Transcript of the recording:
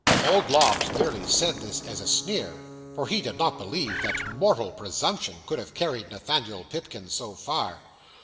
'Old Lobbs merely said this as a sneer: for he did not believe that mortal presumption could have carried Nathaniel Pipkin so far.